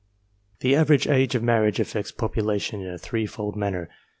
The average age of marriage affects population in a three fold manner.